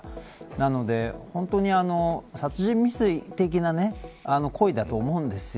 なので、本当に殺人未遂的な行為だと思うんです。